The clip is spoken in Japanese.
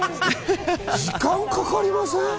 時間かかりません？